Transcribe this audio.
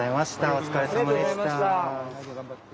お疲れさまでした。